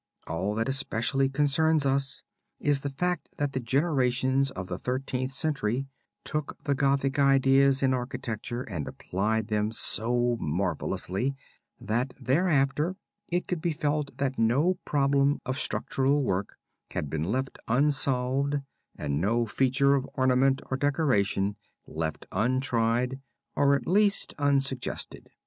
All that especially concerns us is the fact that the generations of the Thirteenth Century took the Gothic ideas in architecture and applied them so marvelously, that thereafter it could be felt that no problem of structural work had been left unsolved and no feature of ornament or decoration left untried or at least unsuggested.